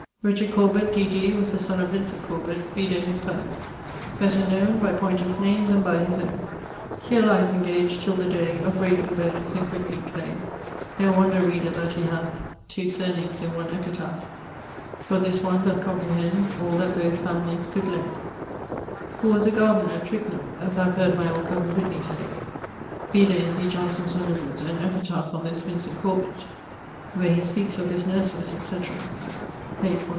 _ Richard Corbet[CP], D.D., was the son of Vincent Corbet vide his poem 'better known By Poynter's name then by his owne Here lies engaged till the day Of raysing bones and quickning clay: No wonder, reader, that he hath Two sirnames in one epitaph, For this one doth comprehend All that both families could lend who was a gardner at Twicknam, as I have heard my old cosen Whitney say. Vide in B. Johnson's Underwoods an epitaph on this Vincent Corbet, where he speakes of his nurseries etc., p. 177.